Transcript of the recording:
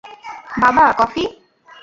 বাবা, কফি?